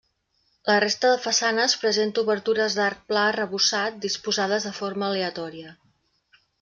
La resta de façanes presenta obertures d'arc pla arrebossat disposades de forma aleatòria.